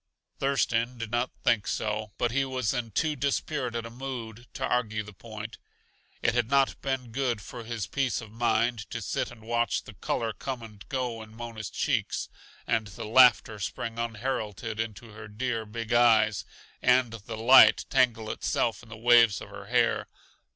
Thurston did not think so, but he was in too dispirited a mood to argue the point. It had not been good for his peace of mind to sit and watch the color come and go in Mona's cheeks, and the laughter spring unheralded into her dear, big eyes, and the light tangle itself in the waves of her hair.